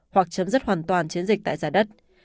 hoặc chấm dứt hoàn toàn chiến dịch tại giải đất